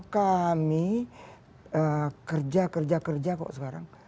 kami kerja kerja kerja kok sekarang